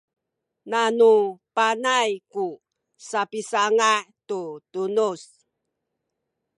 nanu panay ku sapisanga’ tu tunuz